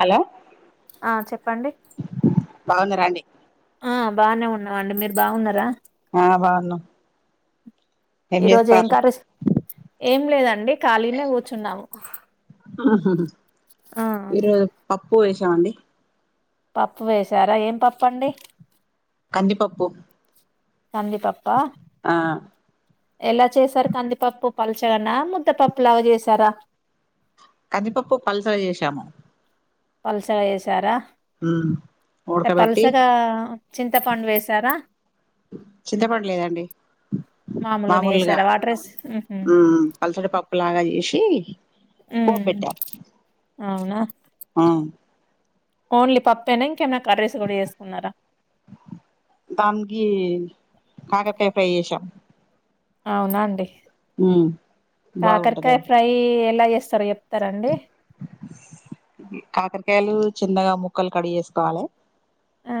Hello ఆ చెప్పండి బావున్నార అండి ఆ బానే ఉన్నామండి మీరు బావున్నరా ఆ బావున్నం ఈ రోజు ఏం కర్రీస్ ఏం లేదండి కాళినే కూర్చున్నాం. అహ ఈరోజు పప్పు వెశామండి పప్పు వేశారా ఏం పప్పండి. కంది పప్పు కందిపప్ప ఆ ఎలా చేశారు కందిపప్పు పల్చగానా ముద్దపప్పు లాగా చేసారా కందిపప్పు పల్సగ చేశాము. పల్సగ హెసారా టె ఉడకబెట్టి పల్సగా చింతపండు వేసారా చింతపండు లేదండి. మామూలుని వేసారా వడ్రర్స్ మ్ పల్సడ పప్పు లాగా చెశి పొబ్ ఉమ్ బెట్టం అవునా ఆ ఓన్లీ పప్పే న ఇంకేన దంగి కాకరకాయి ఫ్రై చేషం అవునా అండి బాగుంటది కాకరకాయ ఫ్రై ఎలా చేస్ కాకరకాయలు చిన్నగా ముక్కలు కడ్ చేసుకోవాలే ఆ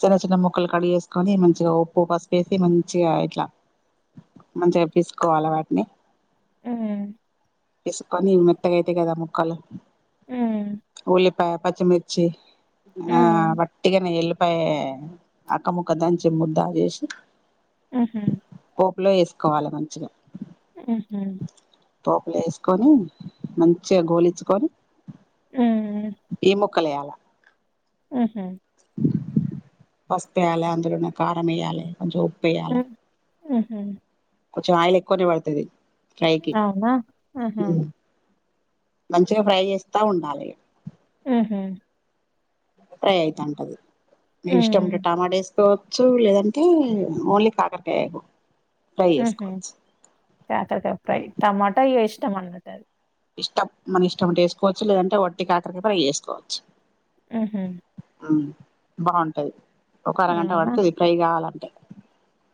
చిన్న చిన్న ముక్కలు కడిగేసుకొని మంచిగా ఉప్పు పసుపేసి మంచిగా ఇట్లా మంచిగా పిసుకోవల వాటిని ఉ పిసుకోని మెత్తగైతై కదా ముక్కలు ఉమ్ ఉల్లిపాయ, పచ్చిమిర్చి ఆ హ్మ్. పట్టిగానే ఎల్లిపోయ అక్క ముక్క దంచి ముద్దా చేసి ఉహు పప్పు లో వేసుకోవాలి మంచిగా ఉహు పోపుల వేసుకొని మంచిగా గోలిచ్చుకొని ఈ ము కలయాల ఆహ పసుపు ఎయాలి, అందులోన్న కారం వేయాలి, కొంచెం ఉప్పు వేయాలా. ఉహు కొంచెం ఆయల్ ఎక్కువనే పడుతది. ఫ్రైకి అవునా ఆహా మంచిగా ఫ్రై చేస్తా ఉండాలి. ఆహ ప్రైయితాంటది. మీ ఇష్టం ఉంటె హ్మ్. టమాటా వేసుకోవచ్చు. లేదంటే ఓన్లీ కాకరకాయ. ఫ్రై ఉహు చేసుకోవచ్చు కాకరకాయి ఫ్రై, టమాటా ఇష్టం అన్నట్ది ఇష్టం మన ఇష్టం ఉంటే వేసుకోవచ్చు. లేదంటే వట్టి కాకరకాయి ఫ్రై చేసుకోవచ్చు. ఆహ అవును బావుంటాయి. ఒక అరగంట అవునా? పడుతది ఇ ఫ్రై కావాలంటే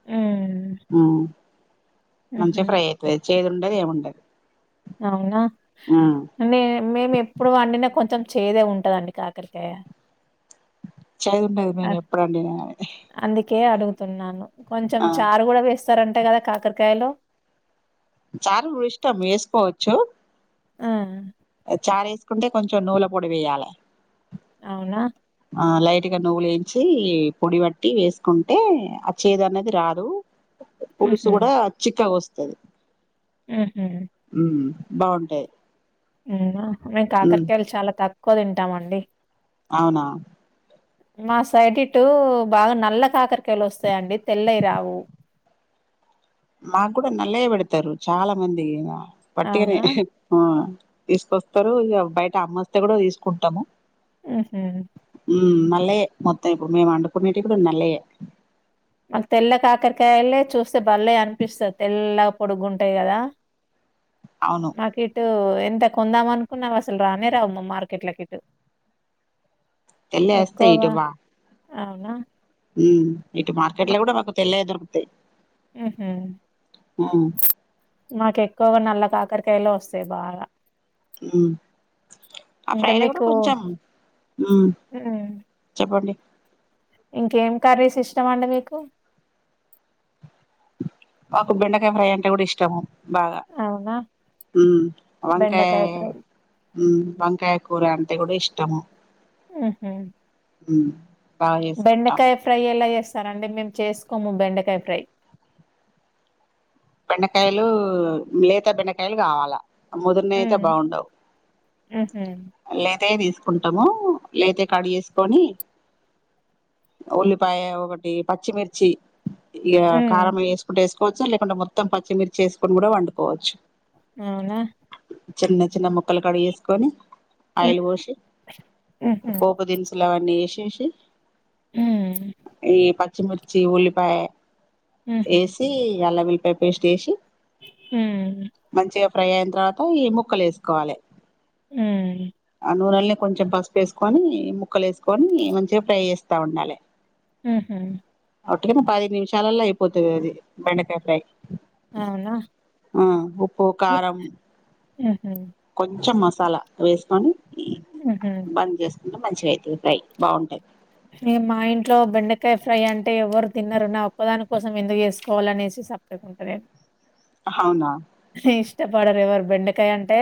హ్మ్. ఉ మంచి హుహు. ఫ్రై అయితది. చేదుండద్ ఏముండద్ అవునా మే మేము ఎప్పుడు అండిన కొంచెం చేదే ఉంటదండి కాకరికాయ. చేదు ఉండది మేము ఎప్పుడు వండిన గాని కే అడుగుతున్నాను కొంచెం చారు కూడా వేస్తారంటే కదా కాకరకాయలో. చారు ఇష్టం వేసుకోవచ్చు. ఆ చారు వేసుకుంటే కొంచెం నువ్వుల పొడి వేయాలే. అవునా ఆ లైట్ గా నువ్వులు వేంచి పొడి పట్టి వేసుకుంటే ఆ చేదు అనేది రాదు. పులుసు కూడా చిక్కగా వస్తది. ఆహ బావుంటాయి. నేనా మేము కాకరకాయలు చాలా తక్కువ తింటామండి. అవునా మా సైడ్ ఇటు బాగా నల్ల కాకరికాయలు వస్తాయండి. తెల్లయి రావు. మాకు కూడా నల్లయ పెడతారు చాలా మంది వాట్టిగనే అవునా? ఆ తీస్ కొస్తరు ఇగ బయట అమోస్తే గుడా దిస్ కుంటము హుమ్ ఉమ్ నల్లయే మొత్తం ఇపుడు మేమ్ అండుకునేటి కూడా నల్లయే మాకు తెల్ల కాకరకాయలే చూస్తే బళ్లే అనిపిస్తది తెల్ల పొడుగుంటాయి గదా అవును నాకు ఇటు ఎ ఎంత కొందాం అనుకున్నా అసలు రానే రావమ్మా మార్కెట్లకి ఇటు. ఎలయి యాస్తయ్ యిటుబా ఔనా ఉమ్ ఇటు మార్ కేట్ లో కూడా మాక్ తేలాయి దొరుకుతయి ఉహ్ మమ్ మాక్ ఎక్కుగా నల్ల కాకరకాయ్ లో ఓస్తయి బాగా ఉమ్ ఆ ఇంకా పైడా గుడా మీకు కొంచమ్ ఉమ్ హ్మ్. చెప్పండి ఇంకేమ్ కర్రీస్ ఇష్టమండి మీకు మాకు బెండకాయ ఫ్రై అంటే కూడా ఇష్టము బాగా అవునా? ఉమ్ వంకయి బెండకాయ ఫ్రై. ఉమ్ వంకయి కూర అంట్ తే గోడే ఇష్టము ఉహ్ ఉమ్ బాగా చేసుకుంటాం బెండకాయ ఫ్రై ఎలా చెస్ సరే అండి మేమ్ చేస్ కోము బెండకాయ ఫ్రై బెండకాయిలు లేత బెండకాయలు కావాలా ముదిర్ నయ్ అయితే హ్మ్. బాఉండవు హుహు. లేతయే దీస్ కుంటము లేతయి కడ్ జేస్ కొని ఉల్లిపాయె ఒకటి పచ్చిమిర్చి ఇగ హ్మ్. కారం ఎసుకుంటే ఎసుకోచ్చు లేకుంటె మొత్తం పచ్చిమిర్చి ఎసుకోన్ గుడా వండ్ కోవచ్చు ఔనా చిన్న చిన్న ముక్ కల్ కడు ఎస్ కొని ఆయిల్ హ్మ్. పోషి హుహు. పోపు దిన్ సులు అవన్నీ ఏష్ ఏషి హ్మ్. ఈ పచ్చిమిర్చి ఉల్లిపాయే హుహు. ఏసి అల్ల వెల్ పయ్ పేస్ట్ ఏషి ఉమ్మ్ ఫ్రై అయిన్ తర్ వత ఈ ముక్కలు ఏస్ కోవాలే ఉమ్ నునల్ నే కొంచమ్ పస్ ఏస్ కొని ముక్కల్ ఎస్ కొని మంచిగా ఫ్రై ఏస్తా ఉండాలే ఉహు ఒటిగను పది నిమ్ షాలలో అయిపోతది అది బెండకయ్ ఫ్రై అవునా? ఆ ఉప్పు హ్మ్. కారం హుహు. కొంచమ్ మస్ సాలా వేస్ కొని హుహు. బంద్ జేస్ కుంటే మంచిగాయితది ఫ్రై బాఉంటయ్ మీ మా ఇంట్లో బెండకయ్ ఫ్రై అంటే ఎవరు తిన్నరూ నా ఒక్కదాన్ కోసం ఎందుక్ ఎస్ కోల్ అనేసి సప్ జేక ఉంటా నేన్ ఆహ ఔనా ఇష్టపడరు ఎవరు బెండకయ్ అంటే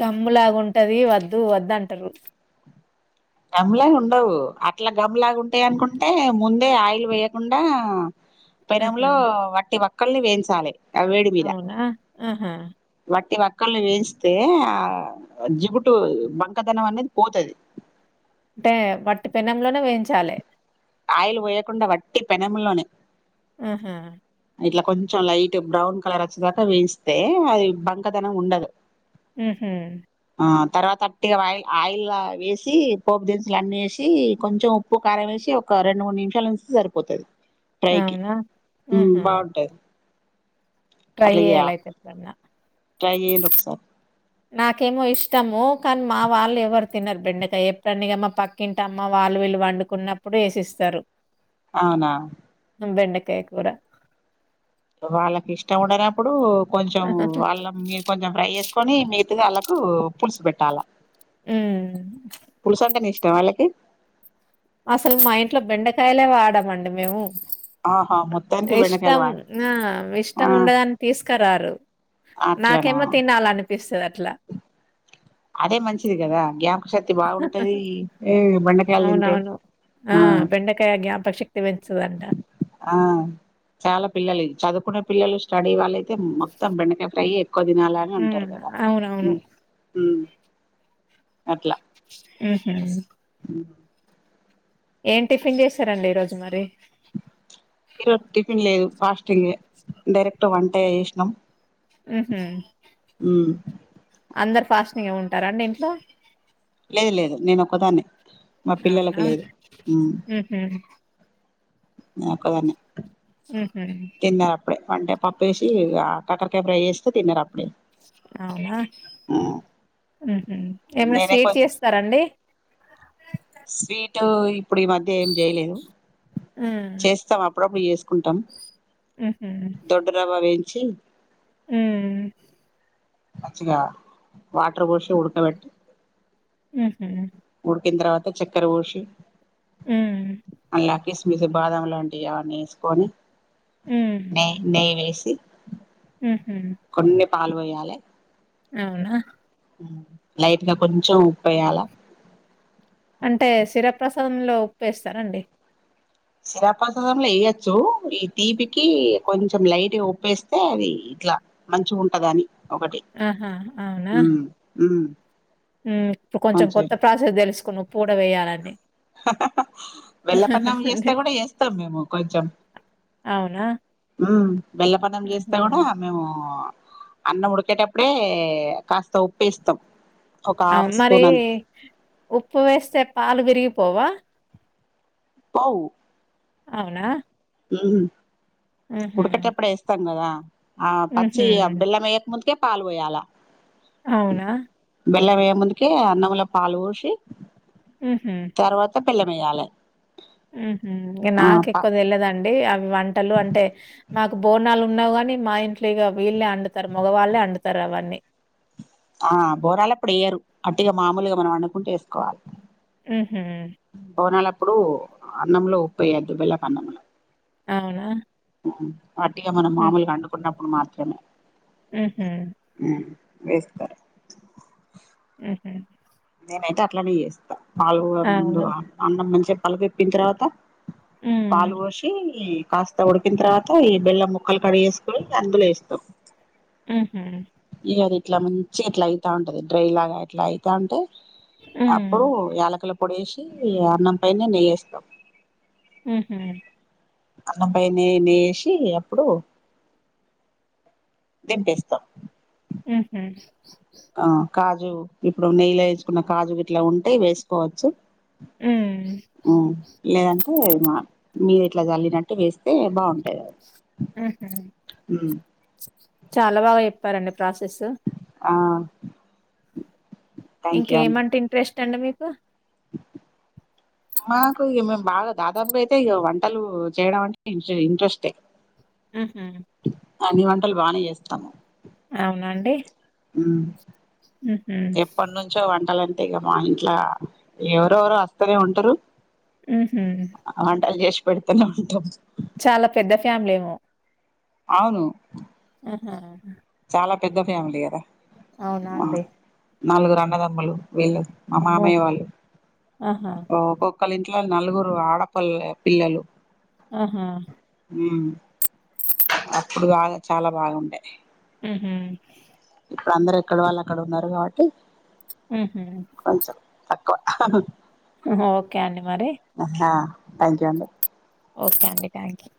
గమ్ములాగా ఉంటది వద్దు వదు అంటరు టమ్ లాగా ఉండవు అట్లా గమ్ లాగా ఉంటాయనుకుంటే ముందే ఆయిల్ వేయకుండా ఆహా! పేనంలో వట్టి వక్క ల్ నే వెంచాలే అ వేడి మీద అవునా? ఆహా! వట్టి వక్ ముక్కల్ని వెంచ్తే ఆ జిగుటు బంకతనం అనేది పోతది. అంటే వట్టి పెన్నంలోనే వేయించాలే ఆయిలు పోయకుండా వట్టి పెనములోనే ఊహు ఇట్లా కొంచెం లైట్గా బ్రౌన్ కలర్ అచ్చేదాకా వెంచ్తే అది బంకదనం ఉండదు. ఉహ్ ఆ తర్ వత అట్టిగా ఆయిల్ ఆయిల వేసి పోపు దిన్ స్ లు అన్ని ఏషి కొంచమ్ ఉప్పు కారవేశి ఒక రొండు మూడు నిమ్ షాలుంస్ సరిపోతది ట్రైకి అవునా? ఉమ్ బాఉంటది ట్రైే ఏయాలయితే ఎప్ డన్న ట్రై ఏయండ్రి ఒక్ సారి నాకేమో ఇష్టము కానీ మా వాళ్ళు ఎవరు తినరు. బెండకా ఎప్పుడన్న ఇగ మా పక్కింటి అమ్మ వాళ్ళ వాల్లువీళ్ళు వండుకున్నప్పుడు వేసిస్తారు. అవునా బెండకాయ కూర వాళ్ళకి ఇష్టం ఉండనప్పుడు కొంచెం వాళ్ళ మీరు కొంచెం ఫ్రై చేసుకొని మీరు వాళ్ళకు పులుసు పెట్టాల హ్మ్. పులుసు అంటే న ఇ ష్ట వాళ్ళకి అసలు మా ఇంట్లో బెండకాయలే వాడమండి మేము. ఆహా మొత్తానికి బెండకాయలు ఇష్టం వా ఆ ఆ ఇష్టం ఉండదని తీసుకురారు. అట్లనా నాకేమో తినాలని అదే మంచిది కదా గ్యామ్ శక్తి బాగుంటది ఏ బెండకాయలు తింటే అవునవును. ఆ బెండకాయ జ్ఞాపక శక్తి పెంచుతదంట. ఆ చాలా పిల్లలివి దువుకునే పిల్లలు స్టడీ వాళ్ళు అయితే మొత్తం బెండకాయ ఫ్రై కొదినేల అని అంటారు హ్మ్. కదా. ఉ అవునవును. ఉ అట్లా ఊహు ఉ ఏం టిఫిన్ చేశారండి ఈ రోజు మరి ఈరోజ టిఫిన్ లేదు. ఫాస్టింగే డైరెక్ట్ వంట చేశ్నం. ఉహు హు అందరు ఫాస్టింగే ఉంటారండి ఇంట్లో లేదు లేదు నేను ఒక్కదాన్నే మా పిల్లలకు అవునా లేదు. ఉ ఉహు నే ఒకదాన్నే హు తిన్నారప్పుడే అంటే పప్పేసి ఇగ కాకరకాయ ఫ్రై చేేస్తే తిన్నారప్ అవునా హుహు ఏమైనా నేనే స్వీట్ కొంచెం చేస్తారఅండి స్వీట్ టు ఇప్పుడు ఈ మధ్య ఏం చేయలేదు ఉమ్ చేస్తాం. అప్పుడప్పుడు చేసుకుంటాం. హుహూ చిల్ ఊ మంచిగా వాటర్ పోషి ఉడుక పెట్టి ఉహు ఉడికిన తర్వాత చక్కెర వోషి ఉహు ఇలా కిస్మిస్ బాదం లాంటివి అవన్నీ వేసుకొని నెయి నెయ్యి వేసి హుహు కొన్ని పాలు వొయ్యాలే అవునా లైట్గా కొంచెం ఉప్పెయాల అంటే శిరప్రసాదంలో ఉప్పేస్తారండి శిరపసాదంలో వెయెచ్చు ఈ తీపికి కొంచెం లైట్ గాఉప్పేస్తే అది ఇట్లా మంచిగుంటదని అని ఒకటి ఆహా అవునా ఉమ్ ఇప్పుడు కొంచెం కొత్త ప్రాసెస్ తెలుసుకున్న ఉప్పు కూడా వేయాలని బెల్లపన్నం చేస్తె అండి కూడ ఏస్తాం మేము కొంచెం అవునా ఉమ్ బెల్లపన్నంచేస్తే ఉహు కూడా మేము అన్నం ఉడికేటప్పుడే కాస్త ఉప్పేస్తాం ఒక ఆ హాఫ్ మరి స్పూన్ అంత ఉప్పు వేస్తే పాలు విరిగిపోవా పోవు అవునా ఉమ్ ఉహు ఉడికెటప్పుడేస్తాం కదా ఆ పచ్చి ఉహు బెల్లంవెయక ముందుకే పాలు పోయాల అవునా బెల్లం వెయ్య ముందుకే అన్నములో పాలు పోసి ఉహు బెల్లంమేయాలే ఉహు నాకు ఎక్కువ తెలవదం డి అవి వంటలు అంటే మాకు బోనాలు ఉన్నవి కాని మా ఇంంట్లో ఇగ వీళ్లే అండుతరు మోగవాళ్ళే వండుతరు అవన్నీ ఆ బోనాలప్పుడు వేయరు అట్టిగా మామూలుగా మనం అనుకుంటే వేసుకోవాలి ఉహు అప్పుడు అన్నంలో ఉప్పేయొద్దు బెల్లపన్నంలో అవునా వట్టిగా మనం మామూలుగా అండుకున్నప్పుడు మాత్రమే ఉహు వేస్తరు ఉహు నేనైతే అట్లనే చేస్తా పాలు ముందు అవునా? అన్నం మంచిగా పల దిప్పిన తర్వాత పాలు హ్మ్. పోషి కాస్త ఉడికిన తర్వాత ఈ బెల్లం ముక్కలు కడిగేసుకొని అందులో ఏస్కో ఉహు అది ఇట్లా ముంచి ఇట్లా అయితా ఉంటది డ్రై లాగా ఇట్లా అయితాంటే హ్మ్. అప్పుడు యాలకుల పొడేసి అన్నం పైనే నెయ్యేస్తాం ఉహు అన్నం పైనే నెయ్యిషి అప్పుడు దింపేస్తాం ఉహు ఆ కాజు ఇప్పుడు నెయ్యిల ఎంచుకున్న కాజు ఇట్లా ఉంటే వేసుకోవచ్చు హ్మ్. ఉ లేదంటే మ మీది ఇట్లా చల్లినట్టు వేస్తే బాగుంటు ఉ హు ఉమ్ చాలా బాగా చెప్ ప్పారండి ప్రాసెస్ ఆ థ్యాంక్ యూ అండి ఇంకేమంటే ఇంట్రెస్ట్ అండి మీకు మాకు ఇగ మేము బాగా దాదాపుగా అయితే ఇగ వంటలు చేయడం అంటే ఇ ఇంట్రెస్టే ఉ హు అన్ని వంటలు బానే చేస్తాము అవునాండి ఉమ్ ఎప్పటి నుంచో వం టలంటే ఇగ మా ఇంట్ల ఎవరెవరో వస్తనే ఉంటరు హుహు. ఆ వంటలు చేసి పెడుతనే ఉంటాం చాలా పెద్ద ఫ్యామిలీ ఏమో అవును ఆ చాలా పెద్ద ఫ్యామిలీ కదా అవునా మా అండి నలుగురు అన్నదమ్ములు వీళ్లు మా అమ్మో! మామయ్య వాళ్ళు ఆహా! ఒకొ ఒకలా ఇంట్లో నలుగురు ఆడపల్ల పిల్లలు అహా ఉమ్ అప్పుడు ఆగ చాలా బాగుంటయ్ ఉ హు ఇప్పుడందరు ఎక్కడ వాళ్ళు అక్కడ ఉన్నారు కాబట్టి ఉహు కువ అహా ఓకే అండి మరి థ్యాంక్యు అండి ఓకే అండి థ్యాంక్యు